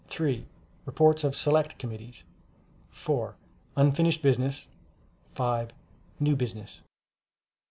(3) Reports of Select Committees. (4) Unfinished Business. (5) New Business.